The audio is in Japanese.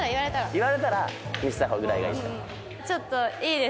言われたら見せた方ぐらいがいいですか？